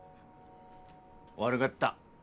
悪がった。